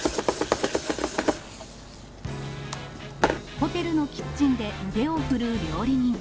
ホテルのキッチンで腕を振るう料理人。